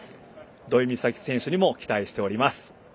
土居美咲選手にも期待しております。